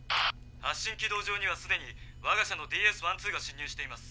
「発進軌道上にはすでにわが社のＤＳ−１２が進入しています」。